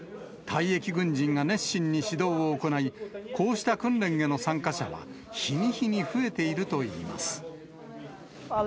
退役軍人が熱心に指導を行い、こうした訓練への参加者は日に日に増えているといいます。